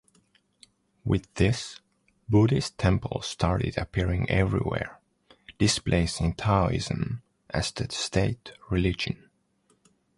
With this, Buddhist temples started appearing everywhere, displacing Taoism as the state religion.